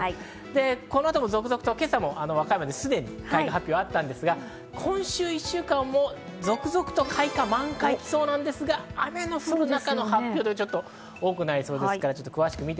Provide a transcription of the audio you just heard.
この後も続々と、今朝も和歌山で開花の発表があったんですが、今週１週間、続々と開花、満開が来そうなんですが、雨の降る中の発表が多くなりそうです。